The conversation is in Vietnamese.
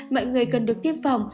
mọi người cần được tiếp phòng